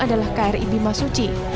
adalah kri bimasuci